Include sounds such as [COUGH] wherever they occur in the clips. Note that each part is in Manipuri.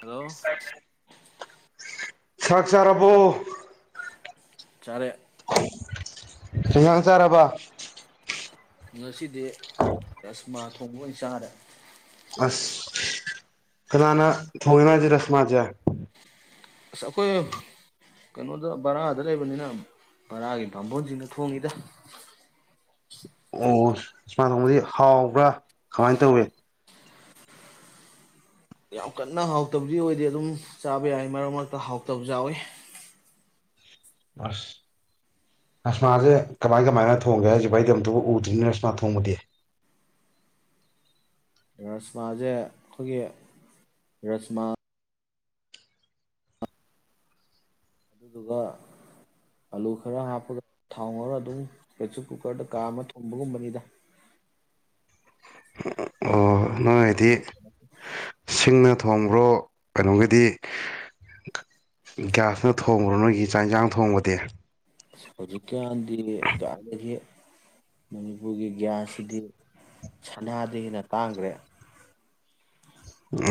ꯍꯜꯂꯣ [INAUDIBLE] ꯁꯛ ꯆꯥꯔꯕꯣ ꯆꯥꯔꯦ [INAUDIBLE] ꯀꯩ ꯖꯥꯡ ꯆꯥꯔꯕ ꯉꯁꯤꯗꯤ ꯔꯁꯃꯥ ꯊꯣꯡꯕ ꯑꯣꯏꯅ ꯆꯥꯔꯦ ꯑꯁ ꯀꯅꯥꯅ ꯊꯣꯡꯉꯤꯅꯣ ꯍꯥꯏꯁꯦ ꯔꯁꯃꯥꯁꯦ ꯑꯁ ꯑꯩꯈꯣꯏ ꯀꯩꯅꯣꯗ ꯕꯔꯥꯗ ꯂꯩꯕꯅꯤꯅ ꯕꯔꯥꯒꯤ ꯕꯥꯝꯕꯣꯟꯁꯤꯡꯅ ꯊꯣꯡꯉꯤꯗ ꯑꯣ ꯁꯥꯟ ꯊꯣꯡꯕꯗꯤ ꯍꯥꯎꯕ꯭ꯔ ꯀꯃꯥꯏ ꯇꯧꯏ ꯌꯥꯝ ꯀꯟꯅ ꯍꯥꯎꯇꯕꯗꯤ ꯑꯣꯏꯗꯦ ꯑꯗꯨꯝ ꯆꯥꯕ ꯌꯥꯏ ꯃꯔꯛ ꯃꯔꯛꯇ ꯍꯥꯎꯇꯕꯁꯨ ꯌꯥꯎꯋꯤ ꯑꯁ ꯔꯁꯃꯥꯁꯦ ꯀꯃꯥꯏ ꯀꯃꯥꯏꯅ ꯊꯣꯡꯒꯦ ꯍꯥꯏꯁꯤꯕꯣ ꯑꯩꯗꯤ ꯑꯝꯇꯕꯨ ꯎꯗ꯭ꯔꯤ ꯔꯁꯃꯥ ꯊꯣꯡꯕꯗꯤ ꯔꯁꯃꯥꯁꯦ ꯑꯩꯈꯣꯏꯒꯤ ꯔꯁꯃꯥ ꯑꯗꯨꯗꯨꯒ ꯑꯂꯨ ꯈꯔ ꯍꯥꯞꯄꯒ ꯊꯥꯎ ꯉꯧꯔ ꯑꯗꯨꯝ ꯄ꯭ꯔꯦꯁꯔ ꯀꯨꯀꯔꯗ ꯀꯥꯝꯃ ꯊꯣꯡꯕꯒꯨꯝꯕꯅꯤꯗ [INAUDIBLE] ꯑꯣ ꯅꯣꯉꯥꯏꯗꯤ ꯁꯤꯡꯅ ꯊꯣꯡꯕ꯭ꯔꯣ ꯀꯩꯅꯣꯒꯤꯗꯤ ꯒ꯭ꯌꯥꯁꯅ ꯊꯣꯡꯕ꯭ꯔꯣ ꯅꯣꯏꯒꯤ ꯆꯥꯛ ꯏꯟꯁꯥꯡ ꯊꯣꯡꯕꯗꯤ ꯍꯧꯖꯤꯛ ꯉꯥꯟꯗꯤꯌꯦ ꯀꯔꯥꯏꯗꯒꯤ ꯃꯅꯤꯄꯨꯔꯒꯤ ꯒ꯭ꯌꯥꯁꯁꯤꯗꯤ ꯁꯅꯥꯗꯒꯤ ꯍꯦꯟꯅ ꯇꯥꯡꯒ꯭ꯔꯦ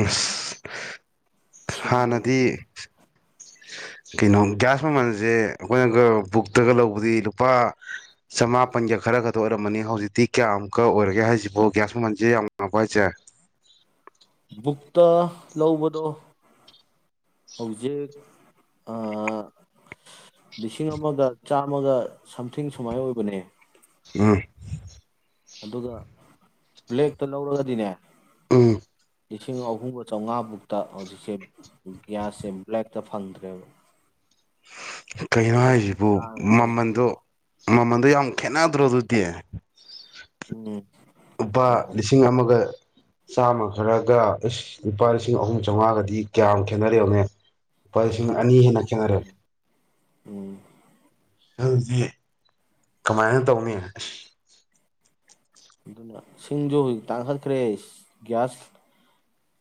ꯑꯁ ꯁꯤꯡꯗ ꯑꯣꯏꯅ ꯍꯥꯟꯅꯗꯤ ꯊꯣꯡꯉꯦ ꯀꯩꯅꯣ ꯒ꯭ꯌꯥꯁ ꯃꯃꯜꯁꯦ ꯑꯩꯈꯣꯏꯅꯒ ꯕꯨꯛꯇꯒ ꯂꯧꯕꯗꯤ ꯂꯨꯄꯥ ꯆꯃꯥꯄꯟꯒ ꯈꯔ ꯈꯛꯇ ꯑꯣꯏꯔꯝꯕꯅꯤ ꯍꯧꯖꯤꯛꯇꯤ ꯀꯌꯥꯃꯨꯛꯀ ꯑꯣꯏꯔꯒꯦ ꯍꯥꯏꯁꯤꯕꯣ ꯒ꯭ꯌꯥꯁ ꯃꯃꯜꯁꯦ ꯌꯥꯝ ꯋꯥꯡꯉꯕ ꯍꯥꯏꯁꯦ ꯕꯨꯛꯇ ꯂꯧꯕꯗꯣ ꯍꯧꯖꯤꯛ ꯑꯥ ꯂꯤꯁꯤꯡ ꯑꯃꯒ ꯆꯥꯝꯃꯒ ꯁꯝꯊꯤꯡ ꯁꯨꯃꯥꯏ ꯑꯣꯏꯕꯅꯦ ꯎꯝ ꯑꯗꯨꯒ ꯕ꯭ꯂꯦꯛꯇ ꯂꯧꯔꯒꯗꯤꯅꯦ ꯎꯝ ꯂꯤꯁꯤꯡ ꯑꯍꯨꯝꯒ ꯆꯧꯉꯥꯃꯨꯛꯇ ꯍꯧꯖꯤꯛꯁꯦ ꯒ꯭ꯌꯥꯁꯁꯦ ꯕ꯭ꯂꯦꯛꯇ ꯐꯪꯗ꯭ꯔꯦꯕ ꯀꯩꯅꯣ ꯍꯥꯏꯁꯤꯕꯨ ꯇꯥꯡꯈ꯭ꯔꯦ ꯍꯥꯏꯁꯦ ꯃꯃꯟꯗꯣ ꯃꯃꯟꯗꯣ ꯌꯥꯝ ꯈꯦꯠꯅꯗ꯭ꯔꯣ ꯑꯗꯨꯗꯤ ꯎꯝ ꯂꯨꯄꯥ ꯃꯃꯜ ꯂꯤꯁꯤꯡ ꯑꯃꯒ ꯆꯥꯝꯃ ꯈꯔꯒ ꯏꯁ ꯂꯨꯄꯥ ꯂꯤꯁꯤꯡ ꯑꯍꯨꯝ ꯆꯧꯉꯥꯒꯗꯤ ꯀꯌꯥꯝ ꯈꯦꯠꯅꯔꯦ ꯌꯦꯡꯉꯨꯅꯦ ꯂꯨꯄꯥ ꯂꯤꯁꯤꯡ ꯇꯪꯈꯥꯏ ꯑꯅꯤ ꯍꯦꯟꯅ ꯈꯦꯠꯅꯔꯦ [UNINTELLIGIBLE] ꯎꯝ ꯑꯗꯨꯗꯤ ꯀꯃꯥꯏꯅ ꯇꯧꯅꯤ ꯑꯁ ꯑꯗꯨꯅ ꯁꯤꯡꯖꯨ ꯇꯥꯡꯈꯠꯈ꯭ꯔꯦ ꯒ꯭ꯌꯥꯁ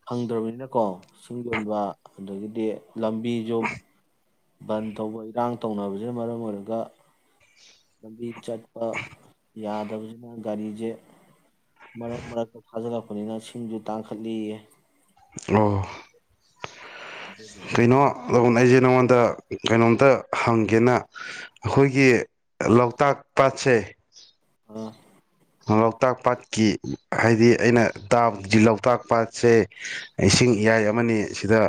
ꯐꯪꯗ꯭ꯔꯕꯅꯤꯅꯀꯣ ꯁꯤꯡ ꯌꯣꯟꯕ ꯑꯗꯒꯤꯗꯤ ꯂꯝꯕꯤꯁꯨ ꯕꯟ ꯇꯧꯕ ꯏꯔꯥꯡ ꯇꯧꯅꯕꯁꯤꯅ ꯃꯔꯝ ꯑꯣꯏꯔꯒ ꯂꯝꯕꯤ ꯆꯠꯄ ꯌꯥꯗꯝꯅꯤꯅ ꯒꯥꯔꯤꯁꯦ ꯃꯔꯛ ꯃꯔꯛꯇ ꯊꯥꯖꯤꯜꯂꯛꯄꯅꯤꯅ ꯁꯤꯡꯁꯨ ꯇꯥꯡꯈꯠꯂꯦꯌꯦ ꯑꯣ ꯀꯩꯅꯣ ꯑꯗꯣ ꯎꯅꯩꯁꯦ ꯅꯉꯣꯟꯗ ꯀꯩꯅꯣꯝꯇ ꯍꯪꯒꯦꯅ ꯑꯈꯣꯏꯒꯤ ꯂꯣꯛꯇꯥꯛ ꯄꯥꯠꯁꯦ ꯑꯣ ꯂꯣꯛꯇꯥꯛ ꯄꯥꯠꯀꯤ ꯍꯥꯏꯗꯤ ꯑꯩꯅ ꯇꯕꯗꯤ ꯂꯣꯛꯇꯥꯛ ꯄꯥꯠꯁꯦ ꯏꯁꯤꯡ ꯏꯌꯥꯏ ꯑꯃꯅꯤ ꯁꯤꯗ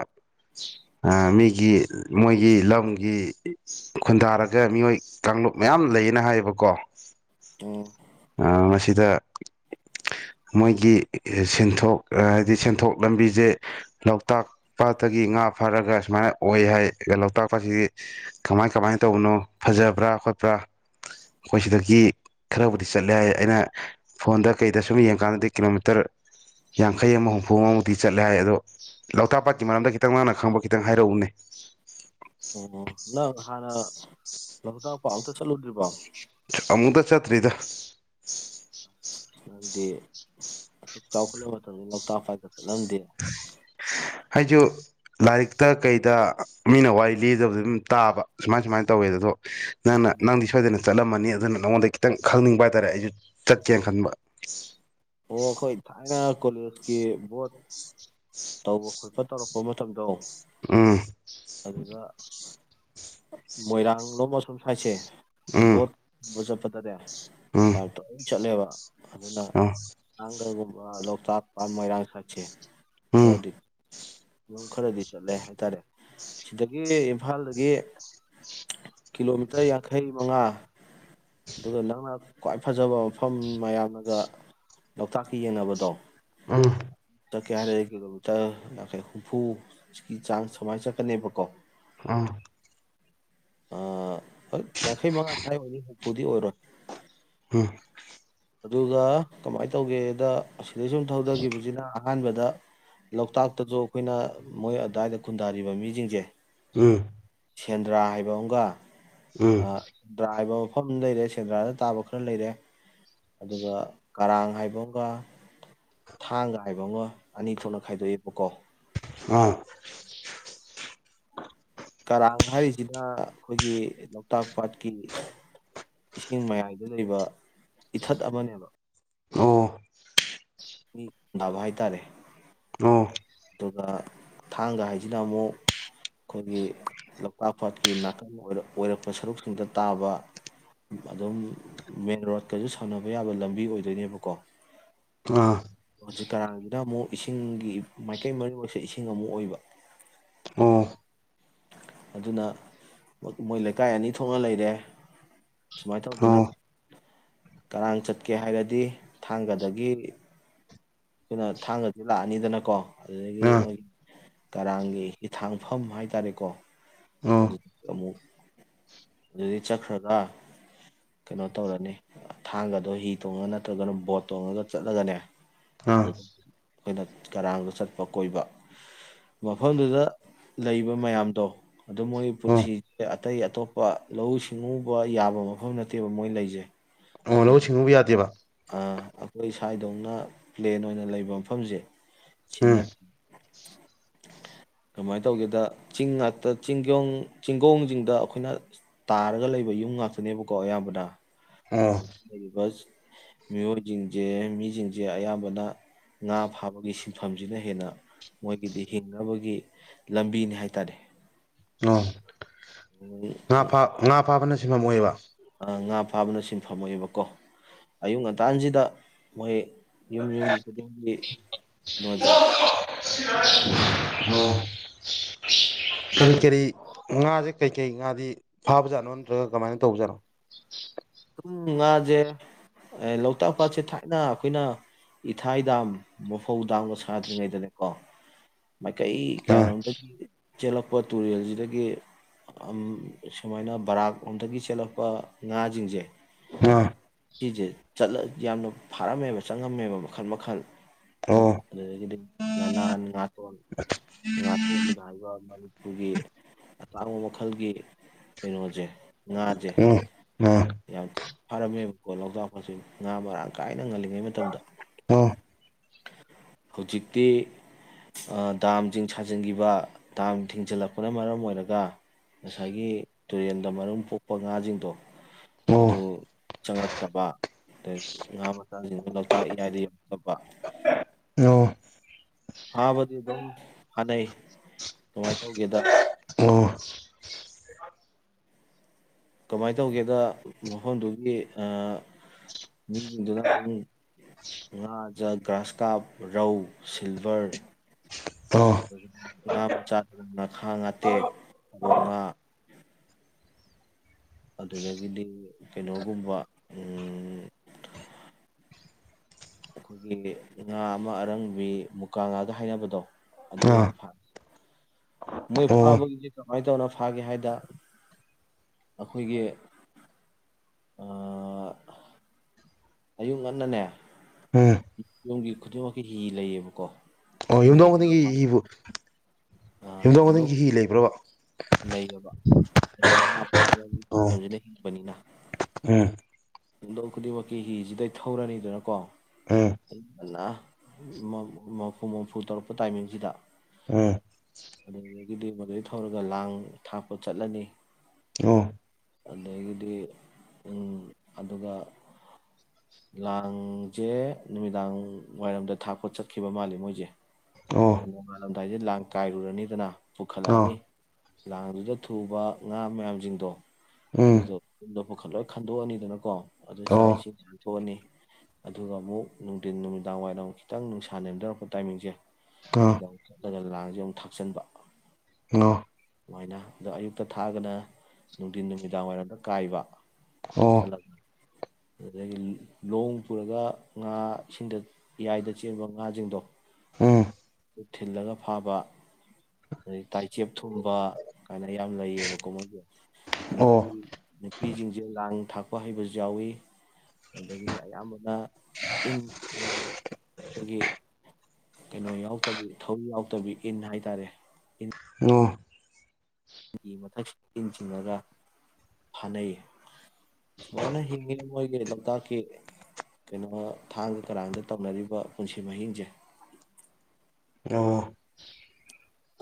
ꯃꯤꯒꯤ ꯃꯣꯏꯒꯤ ꯂꯝꯒꯤ ꯈꯨꯟꯗꯥꯔꯒ ꯃꯤꯑꯣꯏ ꯀꯥꯡꯂꯨꯞ ꯃꯌꯥꯝ ꯂꯩꯌꯦꯅ ꯍꯥꯏꯌꯦꯕꯀꯣ ꯑꯣ ꯁꯤꯗ ꯃꯣꯏꯒꯤ ꯁꯦꯟꯊꯣꯛ ꯍꯥꯏꯗꯤ ꯁꯦꯟꯊꯣꯛ ꯂꯝꯕꯤꯁꯦ ꯂꯣꯛꯇꯥꯛ ꯄꯥꯠꯇꯒꯤ ꯉꯥ ꯐꯥꯔꯒ ꯁꯨꯃꯥꯏꯅ ꯑꯣꯏ ꯍꯥꯏ ꯂꯣꯛꯇꯥꯛ ꯄꯥꯠꯁꯤ ꯀꯃꯥꯏ ꯀꯃꯥꯏꯅ ꯇꯧꯕꯅꯣ ꯐꯖꯕ꯭ꯔ ꯈꯣꯠꯄ꯭ꯔ ꯑꯩꯈꯣꯏ ꯁꯤꯗꯒꯤ ꯈꯔꯕꯨꯗꯤ ꯆꯠꯂꯦ ꯍꯥꯏ ꯑꯩꯅ ꯐꯣꯟꯗ ꯀꯩꯗ ꯁꯨꯝ ꯌꯦꯡꯀꯥꯟꯗꯗꯤ ꯀꯤꯂꯣꯃꯤꯇꯔ ꯌꯥꯡꯈꯩ ꯑꯃ ꯍꯨꯝꯐꯨ ꯃꯃꯨꯛꯇꯤ ꯆꯠꯂꯦ ꯍꯥꯏ ꯑꯗꯣ ꯂꯣꯛꯇꯥꯛ ꯄꯥꯠꯀꯤ ꯃꯔꯝꯗ ꯈꯤꯇꯪ ꯃꯥꯅ ꯈꯪꯕ ꯈꯤꯇꯪ ꯍꯥꯏꯔꯛꯎꯅꯦ ꯂꯣꯛꯗꯥꯛ ꯄꯥꯎ ꯑꯝꯇ ꯆꯠꯂꯨꯗ꯭ꯔꯤꯕꯣ ꯑꯃꯨꯛꯇ ꯆꯠꯇ꯭ꯔꯤꯗ ꯅꯪꯗꯤ ꯑꯁꯨꯛ ꯆꯥꯎꯈꯠꯂꯕ ꯃꯇꯝꯁꯤꯗ ꯂꯣꯛꯇꯥꯛ ꯄꯥꯠꯇ ꯍꯥꯏꯁꯨ ꯂꯥꯏꯔꯤꯛꯇ ꯀꯩꯗ ꯃꯤꯅ ꯋꯥꯔꯤ ꯂꯤꯗꯕꯗꯨ ꯑꯗꯨꯝ ꯇꯥꯕ ꯁꯨꯃꯥꯏ ꯁꯨꯃꯥꯏꯅ ꯇꯧꯋꯦ ꯑꯗꯣ ꯅꯪꯅ ꯎꯝ ꯅꯪꯗꯤ ꯁꯣꯏꯗ ꯅ ꯆꯠꯂꯝꯃꯅꯤ ꯑꯗꯨꯅ ꯅꯪꯉꯣꯟꯗ ꯈꯤꯇꯪ ꯈꯪꯅꯤꯡꯕ ꯍꯥꯏꯇꯥꯔꯦ ꯑꯩꯁꯨ ꯆꯠꯀꯦꯅ ꯈꯟꯕ ꯑꯣ ꯈꯣꯏ ꯊꯥꯏꯅꯦ ꯀꯣ ꯀꯦ ꯕꯣꯠ ꯇꯧꯕ ꯈꯣꯠꯄ ꯇꯧꯔꯛꯄ ꯃꯇꯝꯗꯣ ꯎꯝ ꯃꯣꯏꯔꯥꯡꯂꯣꯕ ꯑꯁꯣꯝ ꯁꯥꯏꯠꯁꯦ ꯎꯝ ꯕꯣꯠ ꯕ ꯆꯠꯄꯗꯅꯦ ꯎꯝ ꯌꯥꯇ ꯗꯨꯝ ꯆꯠꯂꯦꯕ ꯑꯗꯨꯅ ꯑ ꯅꯪꯀꯩꯒꯨꯝ ꯂꯣꯛꯇꯥꯛ ꯃꯣꯏꯔꯥꯡ ꯁꯥꯏꯗꯁꯦ ꯎꯝ ꯈꯔꯗꯤ ꯃ ꯈꯔꯗꯤ ꯆꯠꯂꯦ ꯍꯥꯏꯇꯥꯔꯦ ꯁꯤꯗꯒꯤ ꯏꯝꯐꯥꯜꯗꯒꯤ ꯀꯤꯂꯣꯃꯤꯇꯔ ꯌꯥꯡꯈꯩ ꯃꯉꯥ ꯑꯗꯨꯒ ꯅꯪꯅ ꯈ꯭ꯋꯥꯏ ꯐꯖꯕ ꯃꯐꯝ ꯃꯌꯥꯝꯅꯒ ꯂꯣꯛꯇꯥꯛꯀ ꯌꯦꯡꯅꯕꯗꯣ ꯑꯪ ꯇꯠꯀꯦ ꯍꯥꯏꯔ ꯀꯤꯂꯣꯃꯤꯇꯔ ꯌꯥꯡꯈꯩ ꯍꯨꯝꯐꯨꯒꯤ ꯆꯥꯡ ꯁꯨꯃꯥꯏꯅ ꯆꯠꯀꯅꯤꯕꯀꯣ ꯑꯥ ꯑꯥ ꯌꯥꯡꯈꯩ ꯃꯉꯥ ꯁ꯭ꯋꯥꯥꯏ ꯑꯣꯏꯅꯤ ꯍꯨꯝꯐꯨꯗꯤ ꯑꯣꯏꯔꯣꯏ ꯑꯝ ꯑꯗꯨꯒ ꯀꯃꯥꯏꯅ ꯇꯧꯒꯦꯗ ꯁꯤꯗꯩ ꯁꯨꯝ ꯊꯧꯗꯈꯤꯕꯁꯤꯅ ꯑꯍꯥꯟꯕꯗ ꯂꯣꯛꯇꯥꯛꯇꯖꯨ ꯑꯩꯈꯣꯏꯅ ꯃꯣꯏ ꯑꯗꯥꯏꯗ ꯈꯨꯟꯗꯥꯔꯤꯕ ꯃꯤꯁꯤꯡꯁꯦ ꯎꯝ ꯁꯦꯟꯗ꯭ꯔꯥ ꯍꯥꯏꯕ ꯑꯝꯒ ꯎꯝ ꯑ ꯗ꯭ꯔꯥꯏꯕ ꯃꯐꯝ ꯂꯩꯔꯦ ꯁꯦꯟꯗ꯭ꯔꯥꯗ ꯇꯥꯕ ꯈꯔ ꯂꯩꯔꯦ ꯑꯗꯨꯒ ꯀꯔꯥꯡ ꯍꯥꯏꯕ ꯑꯃꯒ ꯊꯥꯡꯒ ꯍꯥꯏꯕ ꯑꯃꯒ ꯑꯅꯤ ꯊꯣꯛꯅ ꯈꯥꯏꯗꯣꯛꯑꯦꯕꯀꯣ ꯑꯥ ꯀꯔꯥꯡ ꯍꯥꯏꯔꯤꯖꯤꯅ ꯑꯩꯈꯣꯏꯒꯤ ꯂꯣꯛꯇꯥꯛ ꯄꯥꯠꯀꯤ ꯏꯁꯤꯡ ꯃꯌꯥꯏꯗ ꯂꯩꯕ ꯏꯊꯠ ꯑꯃꯅꯦꯕ ꯑꯣ ꯃꯤ ꯗꯥꯕ ꯍꯥꯏꯇꯥꯔꯦ ꯑꯣ ꯑꯗꯨꯒ ꯊꯥꯡꯒ ꯍꯥꯏꯁꯤꯅ ꯑꯃꯨꯛ ꯑꯩꯈꯣꯏꯒꯤ ꯂꯣꯛꯇꯥꯛ ꯄꯥꯠꯀꯤ ꯅꯥꯀꯟ ꯑꯣꯏꯔꯛꯄ ꯁꯔꯨꯛꯁꯤꯡꯗ ꯇꯥꯕ ꯑꯗꯨꯝ ꯃꯦꯟ ꯔꯣꯗꯀꯁꯨ ꯁꯝꯅꯕ ꯌꯥꯕ ꯂꯝꯕꯤ ꯑꯣꯏꯗꯣꯏꯅꯦꯕꯀꯣ ꯑꯥ ꯍꯧꯖꯤꯛ ꯀꯔꯥꯡꯗ ꯑꯃꯨꯛ ꯏꯁꯤꯡꯒꯤ ꯃꯥꯏꯀꯩ ꯃꯔꯤꯃꯛꯁꯦ ꯏꯁꯤꯡ ꯑꯃꯨꯛ ꯑꯣꯏꯕ ꯑꯣ ꯑꯗꯨꯅ ꯃꯣꯏ ꯂꯩꯀꯥꯏ ꯑꯅꯤ ꯊꯣꯛꯅ ꯂꯩꯔꯦ ꯁꯨꯃꯥꯏꯅ ꯇꯧꯗ ꯑꯣ ꯅ ꯀꯔꯥꯡ ꯆꯠꯀꯦ ꯍꯥꯏꯔꯗꯤ ꯊꯥꯡꯒꯗꯒꯤ ꯑꯩꯈꯣꯏꯅ ꯊꯥꯡꯒꯗꯤ ꯂꯥꯛꯑꯅꯤꯗꯅꯀꯣ ꯑꯗꯨꯗꯒꯤ ꯑꯥ ꯃꯣꯏꯒꯤ ꯀꯔꯥꯡꯒꯤ ꯍꯊꯥꯡꯐꯝ ꯍꯥꯏ ꯇꯔꯦꯀꯣ ꯑꯣ ꯑꯗꯨ ꯑꯃꯨꯛ ꯑꯗꯨꯗꯒꯤ ꯆꯠꯈ꯭ꯔꯒ ꯀꯩꯅꯣ ꯇꯧꯔꯅꯤ ꯊꯥꯡꯒꯗꯣ ꯍꯤ ꯇꯣꯡꯉ ꯅꯠꯇ꯭ꯔꯒꯅ ꯕꯣꯠ ꯇꯣꯡꯉꯒ ꯆꯠꯂꯒꯅꯦ ꯑꯥ ꯑꯗꯨꯗ ꯑꯩꯈꯣꯏꯅ ꯀꯔꯥꯡꯗ ꯆꯠꯄ ꯀꯣꯏꯕ ꯃꯐꯝꯗꯨꯗ ꯂꯩꯕ ꯃꯌꯥꯝꯗꯣ ꯑꯗꯨ ꯃꯣꯏꯒꯤ ꯑꯣ ꯄꯨꯟꯁꯤꯁꯦ ꯑꯇꯩ ꯑꯇꯣꯞꯄ ꯂꯧꯎ ꯁꯤꯡꯎꯕ ꯌꯥꯕ ꯃꯐꯝ ꯅꯠꯇꯦꯕ ꯃꯣꯏ ꯂꯩꯖꯦ ꯑꯣ ꯂꯧꯎ ꯁꯤꯡꯎꯕ ꯌꯥꯗꯦꯕ ꯑꯥ ꯑꯩꯈꯣꯏ ꯁꯥꯏꯗꯧꯅ ꯄ꯭ꯂꯦꯟ ꯑꯣꯏꯅ ꯂꯩꯕ ꯃꯐꯝꯖꯦ ꯎꯝ ꯁꯤꯟꯅ ꯀꯃꯥꯏꯅ ꯇꯧꯒꯦꯗ ꯆꯤꯡ ꯉꯥꯛꯇ ꯆꯤꯡꯒꯣꯡ ꯆꯤꯡꯒꯣꯡꯖꯤꯡꯗ ꯑꯩꯈꯣꯏꯅ ꯇꯥꯔꯒ ꯂꯩꯕ ꯌꯨꯝ ꯉꯥꯛꯇꯅꯦꯕꯀꯣ ꯑꯌꯥꯝꯕꯅ ꯑ ꯂꯩꯔꯤꯕ ꯃꯤꯑꯣꯏꯁꯤꯡꯁꯦ ꯃꯤꯁꯤꯡꯁꯦ ꯑꯌꯥꯝꯕꯅ ꯉꯥ ꯐꯥꯕꯒꯤ ꯁꯤꯟꯐꯝꯁꯤꯅ ꯍꯦꯟꯅ ꯃꯣꯏꯒꯤꯗꯤ ꯍꯤꯡꯅꯕꯒꯤ ꯂꯝꯕꯤꯅꯤ ꯍꯥꯏ ꯇꯥꯔꯦ ꯑꯥ ꯉꯥ ꯐ ꯉꯥ ꯐꯥꯕꯅ ꯁꯤꯟꯐꯝꯦ ꯑꯣꯏꯕ ꯑꯥ ꯉꯥ ꯐꯥꯕꯅ ꯁꯤꯟꯐꯝ ꯑꯣꯏꯌꯦꯕꯀꯣ ꯑꯌꯨꯛ ꯉꯟꯇꯥꯥꯟꯁꯤꯗ ꯃꯣꯏ ꯌꯨꯝ ꯌꯨꯝꯒꯤ ꯈꯨꯗꯤꯡꯒꯤ ꯅꯣꯟꯖ ꯀꯔꯤ ꯀꯔꯤ ꯉꯥꯖꯦ ꯀꯩꯀꯩ ꯉꯥꯗꯤ ꯐꯥꯕꯖꯥꯠꯅꯣ ꯅꯠꯇ꯭ꯔꯒ ꯀꯃꯥꯏꯅ ꯇꯧꯕꯖꯥꯠꯅꯣ ꯑꯗꯨꯝ ꯉꯥꯁꯦ ꯂꯣꯛꯇꯥꯛ ꯄꯥꯠꯁꯦ ꯊꯥꯏꯅ ꯑꯩꯈꯣꯏꯅ ꯏꯊꯥꯏ ꯗꯥꯝ ꯃꯐꯧ ꯗꯥꯝꯒ ꯁꯥꯗ꯭ꯔꯤꯉꯩꯗꯅꯦꯀꯣ ꯃꯥꯏꯀꯩ ꯑꯥ ꯀꯌꯥꯔꯣꯝꯗꯒꯤ ꯆꯦꯜꯂꯛꯄ ꯇꯨꯔꯦꯜꯖꯤꯗꯒꯤ ꯁꯨꯃꯥꯏꯅ ꯕꯔꯥꯛꯂꯣꯝꯗꯒꯤ ꯆꯦꯜꯂꯛꯄ ꯉꯥꯖꯤꯡꯖꯦ ꯑꯥ ꯁꯤꯁꯦ ꯆꯠꯂ ꯌꯥꯝꯅ ꯐꯥꯔꯝꯃꯦꯕ ꯆꯪꯉꯝꯃꯦꯕ ꯃꯈꯜ ꯃꯈꯜ ꯎꯝ ꯑꯣ ꯑꯗꯨꯗꯒꯤꯗꯤ ꯉꯥꯅꯥꯟ ꯉꯥꯇꯣꯟ ꯉꯥꯇꯣꯟ ꯍꯥꯏꯕ ꯃꯅꯤꯄꯨꯔꯒꯤ ꯑꯇꯥꯡꯕ ꯃꯈꯜꯒꯤ ꯀꯩꯅꯣꯖꯦ ꯉꯥꯖꯦ ꯎꯝ ꯑꯥ ꯌꯥꯝ ꯊꯤ ꯐꯥꯔꯝꯃꯦꯕꯀꯣ ꯂꯣꯛꯇꯥꯛ ꯄꯥꯠꯁꯤ ꯉꯥ ꯃꯔꯥꯡ ꯀꯥꯏꯅ ꯉꯜꯂꯤꯉꯩ ꯃꯇꯝꯗ ꯑꯣ ꯍꯧꯖꯤꯛꯇꯤ ꯗꯥꯝꯁꯤꯡ ꯁꯥꯖꯤꯟꯈꯤꯕ ꯗꯥꯝ ꯊꯤꯡꯖꯤꯜꯂꯛꯄꯅ ꯃꯔꯝ ꯑꯣꯏꯔꯒ ꯉꯁꯥꯏꯒꯤ ꯇꯨꯔꯦꯟꯗ ꯃꯔꯨꯝ ꯄꯣꯛꯄ ꯉꯥꯁꯤꯡꯗꯣ ꯑꯣ ꯑꯗꯨ ꯆꯪꯉꯛꯇꯕ ꯑꯩ ꯉꯥ ꯃꯆꯥꯁꯤꯡꯗꯣ ꯂꯣꯛꯇꯥꯛ ꯏꯌꯥꯏꯗ ꯌꯧꯔꯛꯇꯕ ꯑꯣ ꯊꯕꯗꯤ ꯑꯗꯨꯝ ꯍꯥꯟꯅꯩ ꯀꯃꯥꯏꯅ ꯇꯧꯒꯦꯗ ꯑꯣ ꯀꯃꯥꯏꯅ ꯇꯧꯒꯦꯗ ꯃꯐꯝꯗꯨꯒꯤ ꯃꯤꯁꯤꯡꯗꯨꯅ ꯑꯗꯨꯝ ꯉꯥ ꯒ꯭ꯔꯥꯁ ꯀꯥꯞ ꯔꯧ ꯁꯤꯜꯚꯔ ꯑꯣ ꯑꯗꯒꯤ ꯉꯥ ꯃꯆꯥꯗ ꯉꯈꯥ ꯉꯥꯇꯦꯛ ꯑꯕꯣꯛ ꯉꯥ ꯑꯗꯨꯗꯒꯤꯗꯤ ꯀꯩꯅꯣꯒꯨꯝꯕ ꯎꯝ ꯑꯩꯈꯣꯏꯒꯤ ꯉꯥ ꯑꯃ ꯑꯔꯪꯕꯤ ꯃꯨꯀꯥ ꯉꯥꯒ ꯍꯥꯏꯅꯕꯗꯣ ꯑꯗꯨ ꯌꯥꯝ ꯑꯥ ꯐꯥ ꯃꯣꯏ ꯑꯣ ꯐꯥꯕꯒꯤꯗꯤ ꯀꯃꯥꯏ ꯇꯧꯅ ꯐꯥꯒꯦ ꯍꯥꯏꯗ ꯑꯩꯈꯣꯏꯒꯤ ꯑꯥ ꯑꯌꯨꯛ ꯉꯟꯅꯅꯦ [INAUDIBLE] ꯌꯨꯝꯒꯤ ꯈꯨꯗꯤꯡꯃꯛꯀꯤ ꯍꯤ ꯂꯩꯌꯦꯕꯀꯣ ꯑꯣ ꯃꯣꯏꯗꯤ ꯌꯨꯝꯊꯣꯡ ꯉꯥ ꯈꯨꯗꯤꯡꯒꯤ ꯐꯥꯕ ꯏꯕꯨ ꯌꯨꯝꯗꯣꯡ ꯌꯨꯝꯊꯣꯡ ꯈꯨꯗꯤꯒꯤ ꯍꯤ ꯂꯩꯕ꯭ꯔꯕ ꯂꯩꯌꯦꯕ ꯑꯩ ꯉꯥ ꯐꯥꯕꯒꯤ ꯑꯣ ꯐꯖꯅ ꯍꯤꯡꯕꯅꯤꯅ ꯎꯝ ꯌꯨꯝꯗꯣꯛ ꯈꯨꯗꯤꯡꯃꯛꯀꯤ ꯍꯤꯁꯤꯗꯩ ꯊꯧꯔꯅꯤꯗꯅꯀꯣ ꯎꯝ ꯅ ꯃꯐꯨ ꯃꯔꯐꯨ ꯇꯧꯔꯛꯄ ꯇꯥꯏꯃꯤꯡꯁꯤꯗ ꯎꯝ ꯑꯗꯨꯗꯒꯤꯗꯤ ꯃꯗꯨꯗꯩ ꯊꯧꯔꯒ ꯂꯥꯡ ꯊꯥꯛꯄ ꯆꯠꯂꯅꯤ ꯑꯣ ꯑꯗꯩꯒꯤꯗꯤ ꯎꯝ ꯑꯗꯨꯒ ꯂꯥꯡꯁꯦ ꯅꯨꯃꯤꯗꯥꯡ ꯋꯥꯏꯔꯝꯗ ꯊꯥꯛꯄ ꯆꯠꯈꯤꯕ ꯃꯥꯜꯂꯤ ꯃꯣꯏꯁꯦ ꯑꯣ ꯑ ꯅꯣꯡꯉꯥꯜꯂꯝꯗꯥꯏꯗ ꯂꯥꯡ ꯀꯥꯏꯔꯨꯔꯅꯤꯗꯅ ꯑꯥ ꯄꯨꯈꯠꯂꯛꯑꯅꯤ ꯂꯥꯡꯗꯨꯗ ꯊꯨꯕ ꯉꯥ ꯃꯌꯥꯝꯁꯤꯡꯗꯣ ꯎꯝ ꯑꯗꯨꯗꯣ ꯂꯣꯏ ꯄꯨ ꯈꯟꯗꯣꯛꯑꯅꯤꯗꯅ ꯀꯣ ꯑꯗꯨ ꯆꯥꯛ ꯑꯣ ꯏꯁꯤꯡ ꯆꯥꯊꯣꯛꯑꯅꯤ ꯑꯗꯨꯒ ꯑꯃꯨꯛ ꯅꯨꯡꯊꯤꯟ ꯅꯨꯃꯤꯗꯥꯡ ꯋꯥꯏꯔꯝ ꯈꯤꯇꯪ ꯅꯨꯡꯁꯥ ꯅꯦꯝꯊꯔꯛꯄ ꯇꯥꯏꯃꯤꯡꯖꯦ ꯑꯥ ꯌꯧꯖ ꯑꯩꯅ ꯂꯥꯡꯁꯦ ꯑꯃꯨꯛ ꯊꯥꯛꯆꯟꯕ ꯅꯣ ꯁꯨꯃꯥꯏꯅ ꯑꯗꯣ ꯑꯌꯨꯛꯇ ꯊꯥꯔꯒꯅ ꯅꯨꯡꯊꯤꯟ ꯅꯨꯃꯤꯗꯥꯡ ꯋꯥꯏꯔꯝꯗ ꯀꯥꯏꯕ ꯑꯣ ꯆꯠꯂꯒ ꯑꯗꯨꯗꯒꯤ ꯂꯣꯡ ꯄꯨꯔꯒ ꯉꯥ ꯏꯁꯤꯡꯗ ꯌꯥꯏꯗ ꯆꯦꯟꯕ ꯉꯥ ꯖꯤꯡꯗꯣ ꯎꯝ ꯊꯤꯜꯂꯒ ꯐꯥꯕ ꯑꯗꯩ ꯇꯥꯏꯆꯦꯞ ꯊꯨꯝꯕ ꯀꯥꯏꯅ ꯌꯥꯝ ꯂꯩꯌꯦꯕꯀꯣ ꯃꯣꯏꯒꯤ ꯑꯣ ꯅꯨꯄꯤ ꯅꯨꯄꯤꯁꯤꯡꯁꯦ ꯂꯥꯡ ꯊꯥꯛꯄ ꯍꯩꯕꯁꯨ ꯌꯥꯎꯋꯤ ꯑꯗꯒꯤꯗꯤ ꯑꯌꯥꯝꯕꯅ ꯏꯟ ꯃꯣꯏꯒꯤ ꯑꯩꯈꯣꯏꯒꯤ ꯀꯩꯅꯣ ꯌꯥꯎ ꯊꯧꯔꯤ ꯌꯥꯎꯗꯕꯤ ꯏꯟ ꯍꯥꯏꯇꯥꯔꯦ ꯏꯟ ꯑꯣ ꯒꯤ ꯃꯊꯛ ꯏꯟ ꯆꯤꯡꯉꯒ ꯐꯥꯅꯩꯌꯦ ꯁꯨꯃꯥꯏꯅ ꯍꯤꯡꯉꯤ ꯃꯣꯏꯒꯤ ꯂꯣꯛꯇꯥꯛꯀꯤ ꯀꯩꯅꯣ ꯊꯥꯡꯒ ꯀꯔꯥꯡꯗ ꯇꯧꯅꯔꯤꯕ ꯄꯨꯟꯁꯤ ꯃꯍꯤꯡꯖꯦ ꯑꯣ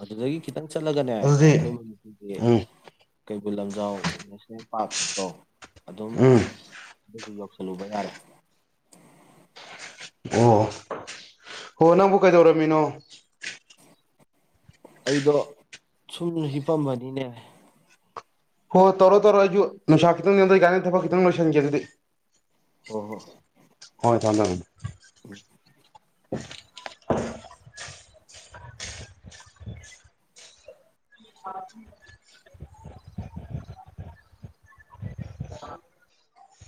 ꯑꯗꯨꯗꯒꯤ ꯈꯤꯇꯪ ꯆꯠꯂꯒꯅꯦ ꯑꯗꯨꯗꯤ ꯈꯣꯏ ꯃꯅꯤꯄꯨꯔꯒꯤ ꯎꯝ ꯀꯩꯕꯨꯜ ꯂꯝꯖꯥꯎ ꯅꯦꯁꯅꯦꯜ ꯄꯥꯔꯛꯇꯣ ꯑꯗꯨꯝ ꯎꯝ ꯑꯗꯨꯁꯨ ꯌꯧꯁꯜꯂꯨꯕ ꯌꯥꯔꯦ ꯑꯣ ꯍꯣ ꯅꯪꯕꯨ ꯀꯩꯗꯧꯔꯝꯃꯤꯅꯣ ꯑꯩꯗꯣ ꯁꯨꯝ ꯍꯤꯄꯝꯕꯅꯤꯅꯦ ꯍꯣꯏ ꯇꯧꯔꯣ ꯇꯧꯔ ꯑꯩꯁꯨ ꯅꯨꯡꯁꯥ ꯈꯤꯇꯪ ꯅꯦꯝꯗꯩꯀꯥꯟ ꯊꯕꯛ ꯈꯤꯇꯪ ꯂꯣꯏꯁꯟꯒꯦ ꯑꯗꯨꯗꯤ ꯍꯣ ꯍꯣ ꯍꯣꯏ ꯊꯝ ꯊꯝꯃꯦ [INAUDIBLE] [INAUDIBLE] [INAUDIBLE]